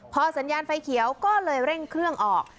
พอสัญญาณไฟเขียวก็เลยเร่งเครื่องออก